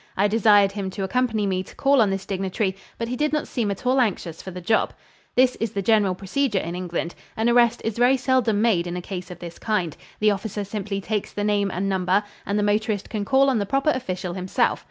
I desired him to accompany me to call on this dignitary, but he did not seem at all anxious for the job. This is the general procedure in England. An arrest is very seldom made in a case of this kind. The officer simply takes the name and number and the motorist can call on the proper official himself.